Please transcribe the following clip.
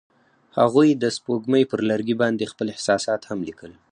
هغوی د سپوږمۍ پر لرګي باندې خپل احساسات هم لیکل.